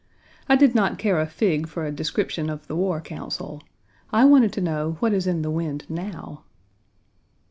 I did not care a fig for a description of the war council. I wanted to know what is in the wind now?